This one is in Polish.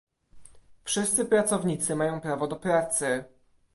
Wszyscy pracownicy mają prawo do pracy